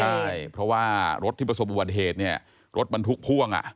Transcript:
ใช่เพราะว่ารถที่ประสบอุบัติเหตุเนี่ยรถบรรทุกพ่วงอ่ะ